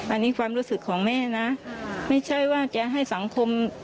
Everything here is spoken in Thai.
อันนี้ความรู้สึกของแม่นะไม่ใช่ว่าจะให้สังคม